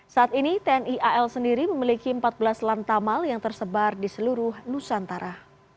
saat ini tni al sendiri memiliki empat belas lantamal yang tersebar di seluruh nusantara